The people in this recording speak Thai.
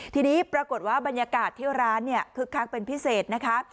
ทีนี้ปรากฏว่าบรรยากาศที่ร้านเนี่ยคึกคักเป็นพิเศษนะคะ